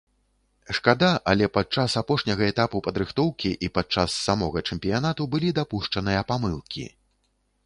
Шкада, але падчас апошняга этапу падрыхтоўкі, і падчас самога чэмпіянату былі дапушчаныя памылкі.